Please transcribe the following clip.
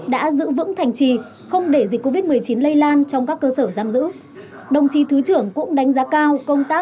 đã giữ vững thành trì không để dịch covid một mươi chín lây lan trong các cơ sở giam giữ